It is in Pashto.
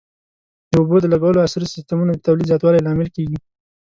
د اوبو د لګولو عصري سیستمونه د تولید زیاتوالي لامل کېږي.